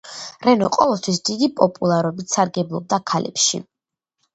რენო ყოველთვის დიდი პოპულარობით სარგებლობდა ქალებში.